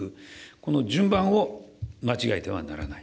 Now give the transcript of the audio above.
この順番を間違えてはならない。